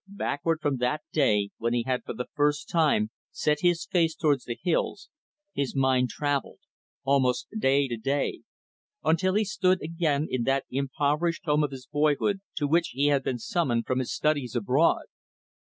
Backward from that day when he had for the first time set his face toward the hills, his mind traveled almost from day to day until he stood, again, in that impoverished home of his boyhood to which he had been summoned from his studies abroad.